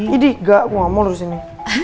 idi enggak gue gak mau lo disini